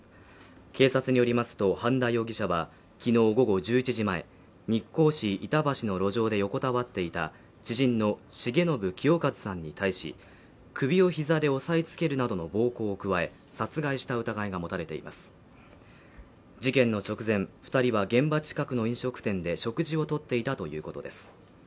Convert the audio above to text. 警察によりますと半田容疑者はきのう午後１１時前日光市板橋の路上で横たわっていた知人の重信清和さんに対し首を膝で押さえつけるなどの暴行を加え殺害した疑いが持たれています事件の直前二人は現場近くの飲食店で食事をとっていたということです